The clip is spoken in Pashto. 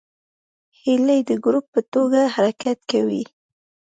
هیلۍ د ګروپ په توګه حرکت کوي